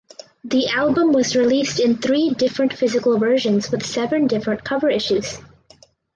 The album was released in three different physical versions with seven different cover issues.